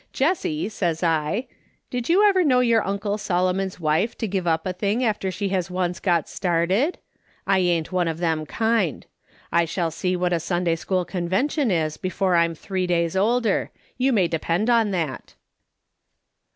"' Jessie,' says I, ' did you ever know your uncle" Solomon's wife to give up a thing after she once got aa MRS. SOLOMON SMITH LOOKING ON. started ? I ain't one of them kind. I shall see what a Sunday school Convention is before I'm three days older ; you may depend on that.'